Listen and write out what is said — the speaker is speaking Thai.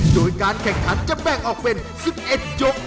โดยการแข่งขันจะแบ่งออกเป็น๑๑ยก